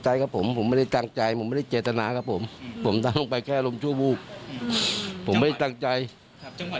ตลอดทั้งคืนตลอดทั้งคืน